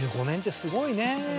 ２５年ってすごいね。